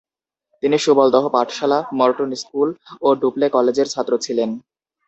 তিনি সুবলদহ পাঠশালা, Morton school ও ডুপ্লে কলেজের ছাত্র ছিলেন।